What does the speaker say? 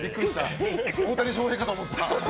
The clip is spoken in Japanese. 大谷翔平かと思った？